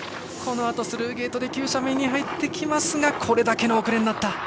このあとスルーゲートで急斜面に入りますがこれだけの遅れになった。